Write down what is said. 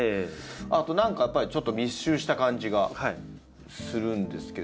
あと何かやっぱりちょっと密集した感じがするんですけど。